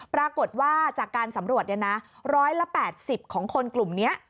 ปรากฏว่าจากการสำรวจ๑๘๐ของคนกลุ่มนี้